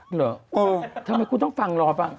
เหรอเออทำไมคุณต้องฟังรอฟัง